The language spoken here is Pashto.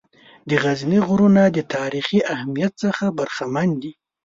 د غزني غرونه د تاریخي اهمیّت څخه برخمن دي.